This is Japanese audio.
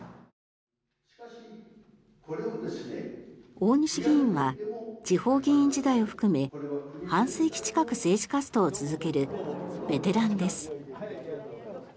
大西議員は地方議員時代を含め半世紀近く政治活動を続けるベテランです。